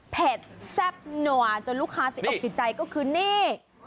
เผ็ดแซ่บหน่วนจนลูกค้าติดออกใจใจก็คือนี่